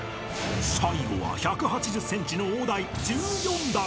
［最後は１８０ｃｍの大台１４段］